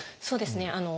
そうですね。